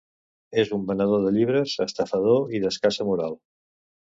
És un venedor de llibres, estafador i d'escassa moral.